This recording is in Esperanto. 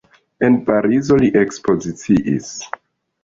En Parizo li ekspoziciis.